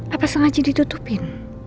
apa sengaja ditutupin